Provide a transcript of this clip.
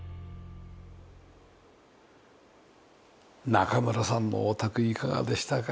中村さんのお宅いかがでしたか？